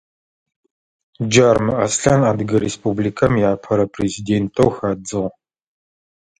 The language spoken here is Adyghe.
Джарымэ Аслъан Адыгэ Республикэм иапэрэ президентэу хадзыгъ.